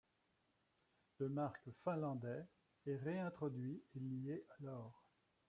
Le mark finlandais est réintroduit et lié à l'or.